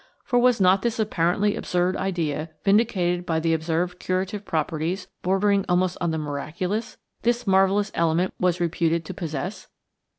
For was not this apparently absurd idea vindicated by the observed curative properties bordering almost on the miraculous this marvelous element was reputed to possess!